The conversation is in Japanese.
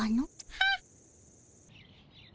はっ？